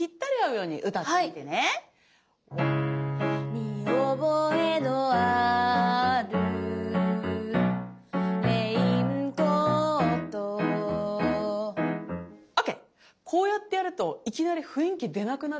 「見覚えのあるレインコート」ＯＫ．こうやってやるといきなり雰囲気出なくなる。